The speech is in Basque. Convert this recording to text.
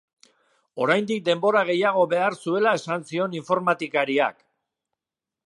Oraindik denbora gehiago behar zuela esan zion informatikariak.